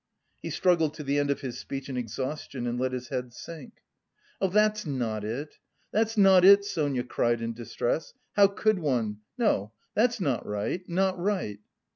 He struggled to the end of his speech in exhaustion and let his head sink. "Oh, that's not it, that's not it," Sonia cried in distress. "How could one... no, that's not right, not right."